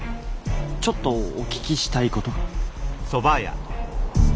ちょっとお聞きしたいことが。